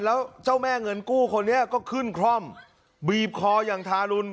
แล้วเจ้าแม่เงินกู้คนนี้ก็ขึ้นคล่อมบีบคออย่างทารุณ